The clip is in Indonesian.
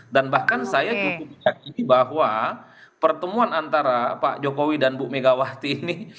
dan bahkan saya cukup yakin bahwa pertemuan antara pak jokowi dan bu megawati ini